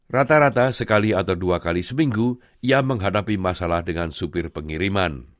rata rata sekali atau dua kali seminggu ia menghadapi masalah dengan supir pengiriman